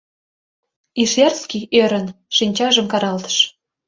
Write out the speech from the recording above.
Ишерский, ӧрын, шинчажым каралтыш.